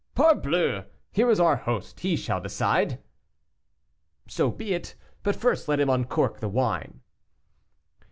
"Parbleu! here is our host, he shall decide." "So be it, but first let him uncork the wine."